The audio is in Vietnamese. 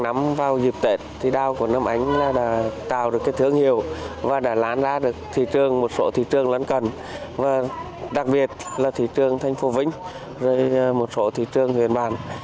năm vào dịp tết thì đào của nam anh đã tạo được cái thương hiệu và đã lán ra được một số thị trường lấn cần đặc biệt là thị trường thành phố vinh rồi một số thị trường huyền bản